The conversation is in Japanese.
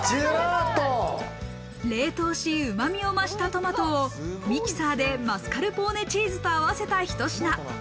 冷凍し、うまみを増したトマトをミキサーでマスカルポーネチーズと合わせた、ひと品。